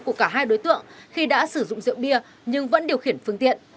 của cả hai đối tượng khi đã sử dụng rượu bia nhưng vẫn điều khiển phương tiện